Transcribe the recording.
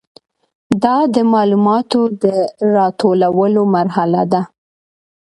دا د معلوماتو د راټولولو مرحله ده.